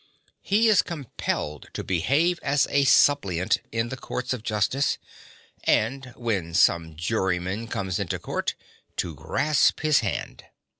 He is compelled to behave as a suppliant (49) in the courts of justice, and when some juryman comes into court, to grasp his hand.